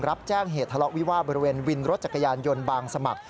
รับแจ้งเหตุทะเลาะวิวาสบริเวณวินรถจักรยานยนต์บางสมัคร